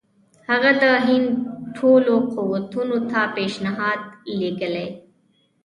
هغه د هند ټولو قوتونو ته پېشنهادونه لېږلي.